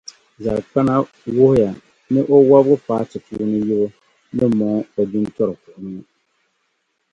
zalikpani wuhiya ni o Wɔbigu paati puuni yibu ni mɔŋɔ o jintɔri kuɣ ŋɔ.